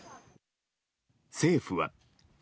政府は。